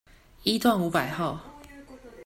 一段五百號